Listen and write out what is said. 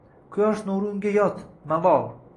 Quyosh nuri unga yot, malol